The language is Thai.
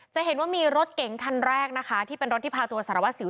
จะเห็นว่ามีรถเก๋งคันแรกนะคะที่เป็นรถที่พาตัวสารวัสสิว